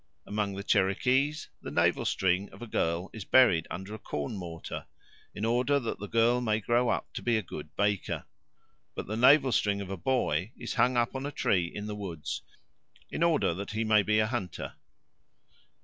Among the Cherokees the navel string of a girl is buried under a corn mortar, in order that the girl may grow up to be a good baker; but the navel string of a boy is hung up on a tree in the woods, in order that he may be a hunter.